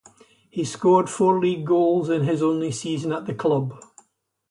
He scored four league goals in his only season at the club.